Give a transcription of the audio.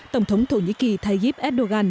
tổng thống thổ nhĩ kỳ tayyip erdogan